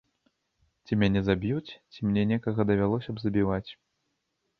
Ці мяне заб'юць, ці мне некага давялося б забіваць.